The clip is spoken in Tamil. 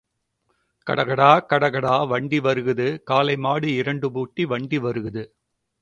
கடகடா கடகடா வண்டி வருகுது காளை மாடு இரண்டு பூட்டி வண்டி வருகுது.